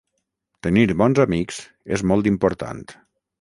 Tenir bons amics és molt important.